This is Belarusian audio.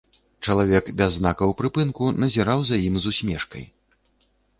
Чалавек без знакаў прыпынку назіраў за ім з усмешкай.